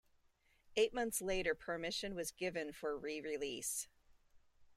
Eight months later permission was given for re-release.